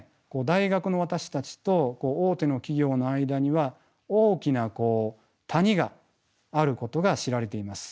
大学の私たちと大手の企業の間には大きな谷があることが知られています。